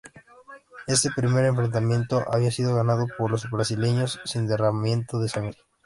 Este primer enfrentamiento había sido ganado por los brasileños sin derramamiento de sangre.